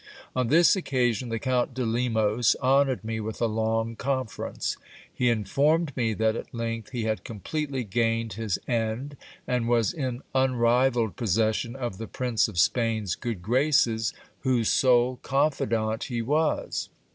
On this occasion the Count de Lemos honoured me with a long conference. He informed me that at length he had completely gained his end, and was in unrivalled possession of the Prince of Spain's good graces, whose sole confidant he was.